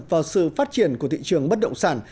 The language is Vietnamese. vào sự phát triển của thị trường bất động sản